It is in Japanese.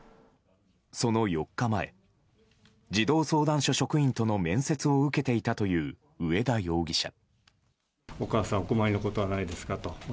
その４日前児童相談所職員との面接を受けていたという上田容疑者。